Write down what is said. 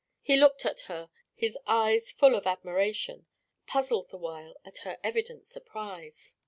He looked at her, his eyes full of admiration, puzzled the while at her evident surprise.